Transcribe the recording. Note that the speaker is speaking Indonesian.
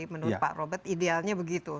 menurut pak robert idealnya begitu